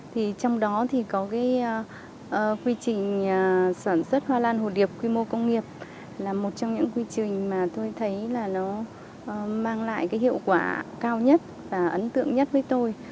thì trong đó thì có cái quy trình sản xuất hoa lan hồ điệp quy mô công nghiệp là một trong những quy trình mà tôi thấy là nó mang lại cái hiệu quả cao nhất và ấn tượng nhất với tôi